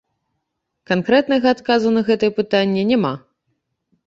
Канкрэтнага адказу на гэтае пытанне няма.